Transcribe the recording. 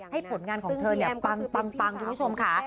ให้ผลงานของเธอปังดูชมค่ะ